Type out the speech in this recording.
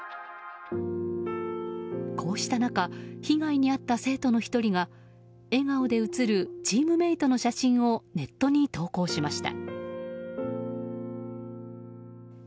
こうした中被害に遭った生徒の１人が笑顔で写るチームメートの写真をネットに投稿しました。